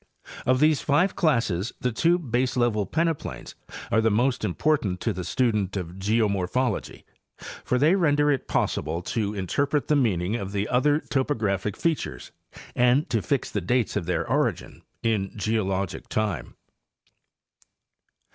Of these five classes the two baselevel peneplains are most important to the student of geomorphology, for they render it possible to interpret the meaning of the other topographie fea tures and to fix the dates of their origin in geologic time.